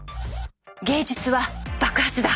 「芸術は爆発だ」。